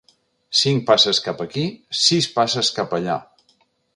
Cinc passes cap aquí, sis passes cap allà.